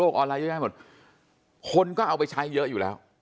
คนก็เอาไปใช้เยอะอยู่แล้ว